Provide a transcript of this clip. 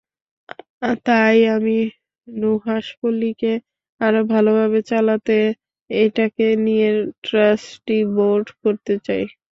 তাই আমি নুহাশপল্লীকে আরও ভালোভাবে চালাতে এটাকে নিয়ে ট্রাস্টি বোর্ড করতে চাই।